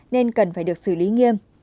nên cần phải được xử lý nghiêm